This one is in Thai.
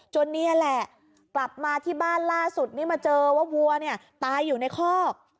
นี่แหละกลับมาที่บ้านล่าสุดนี้มาเจอว่าวัวเนี่ยตายอยู่ในคอก